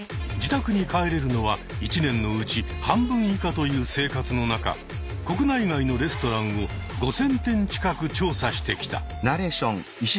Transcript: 自宅に帰れるのは１年のうち半分以下という生活の中国内外のレストランを５，０００店近く調査してきた。